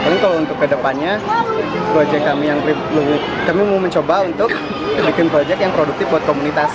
tapi kalau untuk ke depannya kami mau mencoba untuk bikin proyek yang produktif buat komunitas